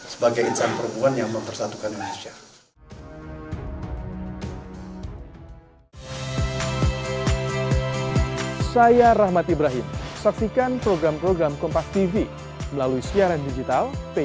sebagai insan perempuan yang mempersatukan indonesia